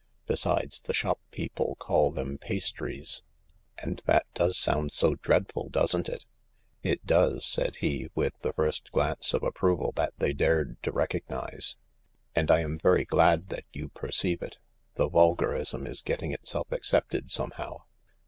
Besides, the shop people call them pastries, and that does sound so dreadful, doesn't it ?"" It does," said he, with the first glance of approval that they dared to recognise. " And I am very glad that you per ceive it. The vulgarism is getting itself accepted, somehow.